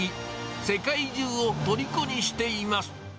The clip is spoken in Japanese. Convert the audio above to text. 世界中をとりこにしています。